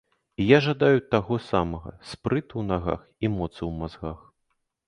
І я жадаю таго самага, спрыту ў нагах і моцы ў мазгах.